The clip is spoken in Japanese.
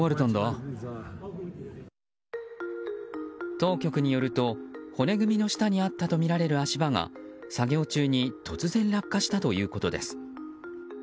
当局によると骨組みの下にあったとみられる足場が作業中に突然、落下したということです。